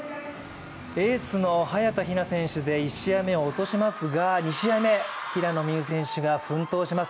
エースの早田ひな選手で１試合目を落としますが２試合目、平野美宇選手が奮闘します。